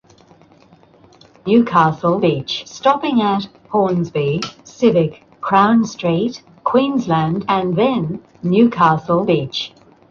There are no storage dams located on the mainstem of the Yellowstone River.